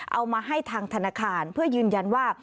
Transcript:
เอามาให้ทางธนาคารเพื่อยืนยันว่า